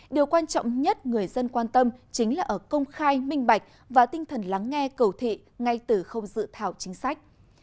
điều quan trọng nhất người dân quan tâm chính là ở công khai minh bạch và tinh thần lắng nghe cầu thị ngay từ không dự thảo chính sách